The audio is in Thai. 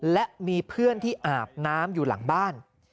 และมีเพื่อนที่อาบน้ำอยู่หลังบ้าน